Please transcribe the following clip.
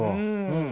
うん。